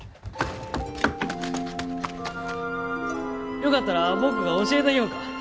よかったら僕が教えたぎょうか。